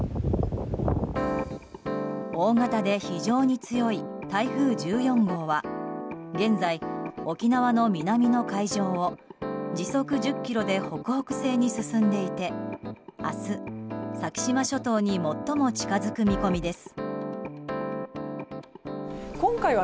大型で非常に強い台風１４号は現在、沖縄の南の海上を時速１０キロで北北西に進んでいて明日、先島諸島に最も近づく見込みです。